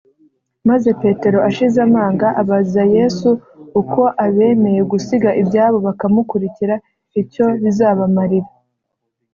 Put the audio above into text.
maze Petero ashize amanga abaza Yesu uko abemeye gusiga ibyabo bakamukurikira icyo bizabamarira